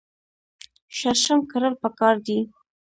شړشم کرل پکار دي.